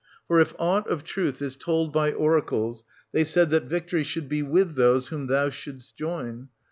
For if aught of truth is told by oracles, they said that victory should be with those whom thou shouldst join.